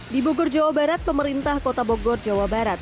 di bogor jawa barat pemerintah kota bogor jawa barat